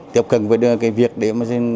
tiếp cận với cái việc để mà